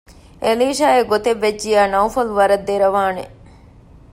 އެލީޝާއަށް ގޮތެއް ވެއްޖިއްޔާ ނައުފަލު ވަރަށް ދެރަވާނެ